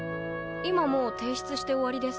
今もう提出して終わりです。